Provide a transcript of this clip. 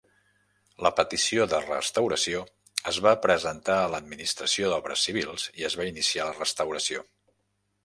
La petició de restauració es va presentar a l'Administració d'Obres Civils i es va iniciar la restauració.